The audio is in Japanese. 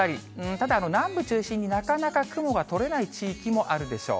ただ、南部中心になかなか雲が取れない地域もあるでしょう。